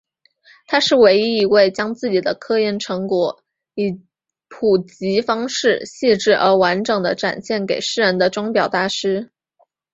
他是唯一一位将自己的科研成果以普及方式细致而完整地展现给世人的钟表大师。